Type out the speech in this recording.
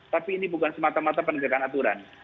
tapi ini bukan semata mata penegakan aturan